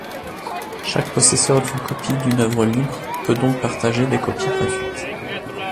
Chaque possesseur d'une copie d'une œuvre libre peut donc partager des copies gratuites.